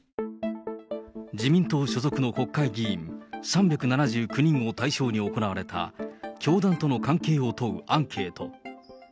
自民党所属の国会議員３７９人を対象に行われた教団との関係を問うアンケート。